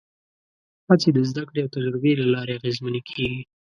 هڅې د زدهکړې او تجربې له لارې اغېزمنې کېږي.